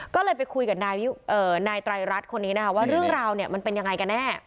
ก็เลยไปคุยกับนายไตรรัฐคนนี้นะคะว่าเรื่องราวเนี่ยมันเป็นยังไงกันแน่